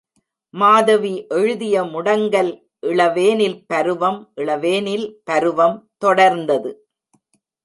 மாதவி எழுதிய முடங்கல் இளவேனில் பருவம் இளவேனில் பருவம் தொடர்ந்தது.